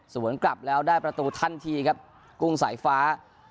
สวนกลับแล้วได้ประตูทันทีครับกุ้งสายฟ้า